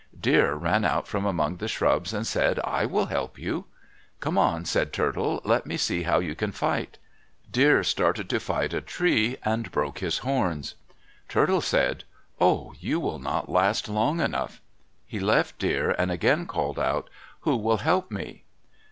Deer ran out from among the shrubs and said, "I will help you." "Come on," said Turtle, "let me see how you can fight." Deer started to fight a tree and broke his horns. Turtle said, "Oh, you will not last long enough." He left Deer and again called out, "Who will help me?"